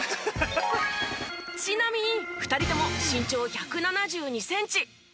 ちなみに２人とも身長１７２センチ。